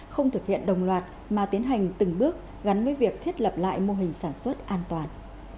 không thực hiện đồng loạt mà tiến hành từng bước gắn với việc thiết lập lại mô hình sản xuất an toàn